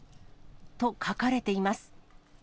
と、書かれています。